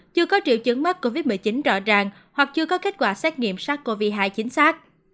chưa có triệu chứng mắc covid một mươi chín rõ ràng hoặc chưa có kết quả xét nghiệm sars cov hai chính xác